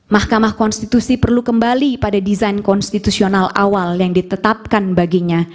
mahkamah konstitusi perlu kembali pada desain konstitusional awal yang ditetapkan baginya